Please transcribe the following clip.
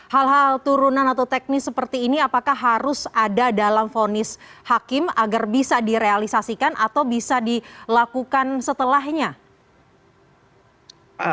hal hal turunan atau teknis seperti ini apakah harus ada dalam vonis hakim agar bisa direalisasikan atau bisa dilakukan setelahnya